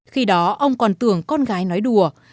khi đó ông còn tưởng con gái nói đùa